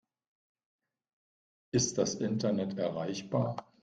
Ist das Internet erreichbar?